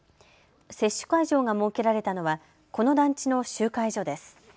接種会場が設けられたのはこの団地の集会所です。